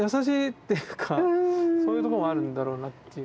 そういうとこもあるんだろうなという。